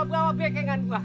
gua juga bawa bekengan gua